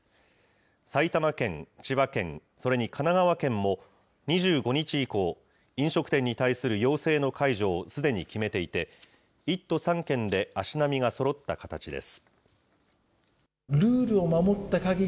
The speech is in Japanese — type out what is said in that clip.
埼玉県、千葉県、それに神奈川県も、２５日以降、飲食店に対する要請の解除をすでに決めていて、１都３県で足並みがそろった形です。